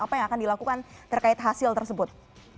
apa yang akan dilakukan terkait hasil tersebut